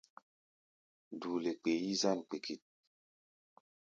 Duule kpee yí-zân kpikit.